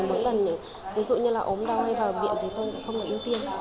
mỗi lần ví dụ như là ốm đau hay vào viện thì tôi cũng không có ưu tiên